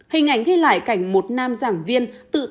hình ảnh ghi lại cảnh một nam giảng viên tự tay giảng viên